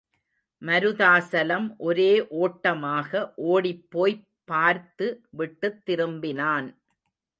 மருதாசலம் ஒரே ஓட்டமாக ஓடிப்போய்ப் பார்த்து விட்டுத் திரும்பினான்.